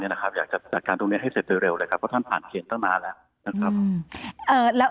อยากจะจัดการตรงนี้ให้เสร็จโดยเร็วเลยครับเพราะท่านผ่านเกณฑ์ตั้งนานแล้วนะครับ